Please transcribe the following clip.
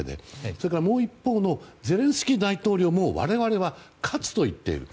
それから、もう一方のゼレンスキー大統領も我々は勝つと言っている。